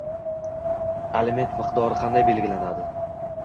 Aliment miqdori qanday belgilanadi?